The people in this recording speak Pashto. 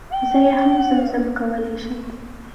زه يي هم زم زمه کولی شم